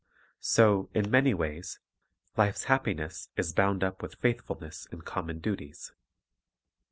So, in many ways, life's happi ness is bound up with faithfulness in common duties.